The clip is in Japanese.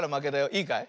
いいかい？